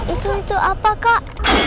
itu untuk apa kak